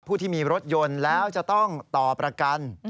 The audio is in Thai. ผู้ที่มีรถยนต์แล้วจะต้องต่อประกัน